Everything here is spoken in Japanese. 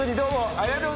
・ありがとう！